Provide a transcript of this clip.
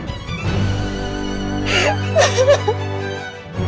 aku gak mau putus